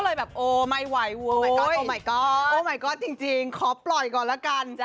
เลยแบบโอ้ไม่ไหวโอ้มายก๊อดโอ้มายก๊อดจริงขอปล่อยก่อนแล้วกัน